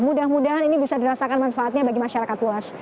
mudah mudahan ini bisa dirasakan manfaatnya bagi masyarakat luas